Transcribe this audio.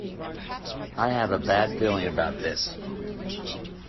I have a bad feeling about this!